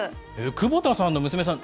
久保田さんの娘さん